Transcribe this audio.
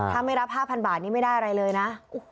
ถ้าไม่รับ๕๐๐บาทนี่ไม่ได้อะไรเลยนะ